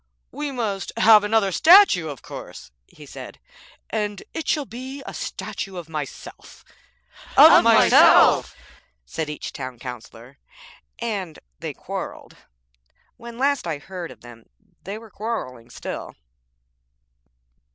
'We must have another statue, of course,' he said, 'and it shall be a statue of myself.' < 10 > 'Of myself,' said each of the Town Councillors, and they quarrelled. When I last heard of them they were quarrelling still.